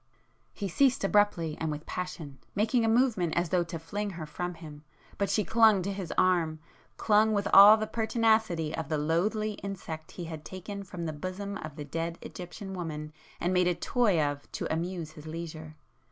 He ceased abruptly and with passion, making a movement as though to fling her from him,—but she clung to his arm,—clung with all the pertinacity of the loathly insect he had taken from the bosom of the dead Egyptian woman and made a toy of to amuse his leisure!